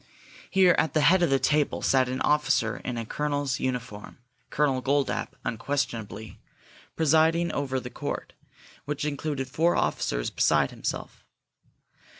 Here, at the head of the table, sat an officer in a colonel's uniform; Colonel Goldapp, unquestionably, presiding over the court, which included four officers beside himself.